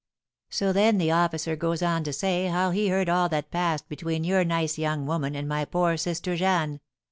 "So then the officer goes on to say how he heard all that passed between your nice young woman and my poor sister Jeanne.